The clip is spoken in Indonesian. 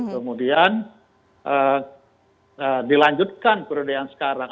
kemudian dilanjutkan ke perudahan sekarang